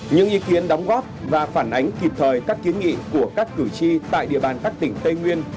những ý kiến đóng góp và phản ánh kịp thời các kiến nghị của các cử tri tại địa bàn các tỉnh tây nguyên